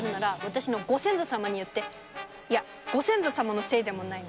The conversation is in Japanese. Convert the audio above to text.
いやご先祖様のせいでもないな。